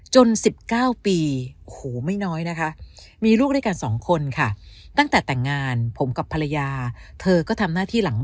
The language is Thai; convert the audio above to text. จน๑๙ปีโหไม่น้อยนะคะมีลูกด้วยกัน๒คนค่ะ